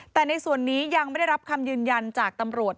แต่ในส่วนนี้ยังไม่ได้รับคำยืนยันจากตำรวจ